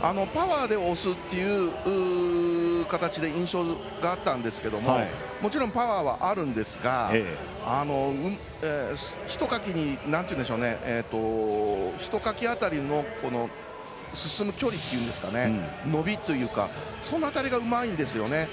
パワーで押すという形で印象があったんですけどもちろん、パワーはあるんですが、ひとかきあたりの進む距離というか伸びというかその辺りがうまいんですよね。